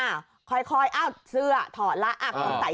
อะค่อยเอ้าเสื้อถอดแล้ว